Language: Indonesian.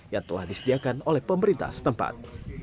yang telah disediakan oleh pemerintah setempat